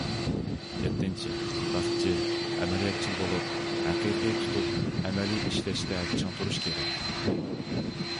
يەتتىنچى، راستچىل، ئەمەلىيەتچىل بولۇپ، ھەقىقىي تۇتۇپ، ئەمەلىي ئىشلەشتە چىڭ تۇرۇشى كېرەك.